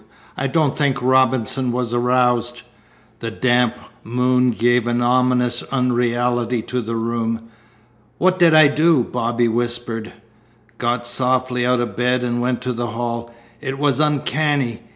I don't think Robinson was aroused." The damp moon gave an ominous unreality to the room. "What did I do?" Bobby whispered. "Got softly out of bed and went to the hall. It was uncanny.